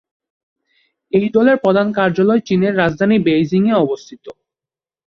এই দলের প্রধান কার্যালয় চীনের রাজধানী বেইজিংয়ে অবস্থিত।